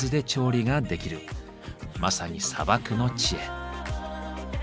まさに砂漠の知恵。